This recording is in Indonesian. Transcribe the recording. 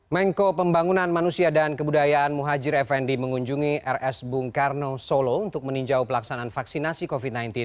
mengko pembangunan manusia dan kebudayaan muhajir effendi mengunjungi rs bung karno solo untuk meninjau pelaksanaan vaksinasi covid sembilan belas